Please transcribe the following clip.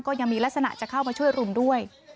ก็ยังมีลักษณะจะเข้ามาช่วยรุมด้วย